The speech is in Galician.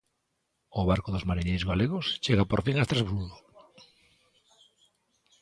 O barco dos mariñeiros galegos chega por fin a Estrasburgo.